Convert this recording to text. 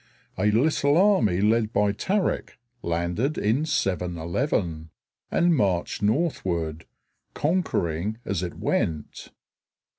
A little army led by Tarik landed in 711 and marched northward, conquering as it went.